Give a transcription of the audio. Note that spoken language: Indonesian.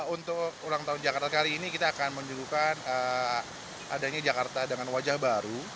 untuk ulang tahun jakarta kali ini kita akan menyuguhkan adanya jakarta dengan wajah baru